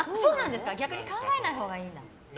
逆に考えないほうがいいの？